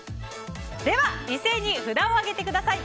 では、一斉に札を上げてください。